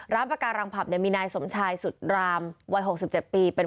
ร้านประการังผับมีนายสมชายสุดรามวัย๖๗ปี